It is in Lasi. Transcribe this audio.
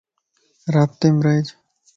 رابطيم رھيج